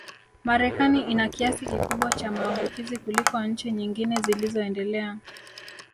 Marekani ina kiasi kikubwa cha maambukizi kuliko nchi nyingine zilizoendelea